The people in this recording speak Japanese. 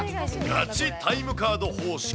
ガチタイムカード方式。